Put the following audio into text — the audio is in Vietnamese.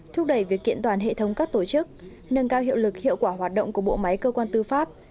thúc đẩy việc kiện toàn hệ thống các tổ chức nâng cao hiệu lực hiệu quả hoạt động của bộ máy cơ quan tư pháp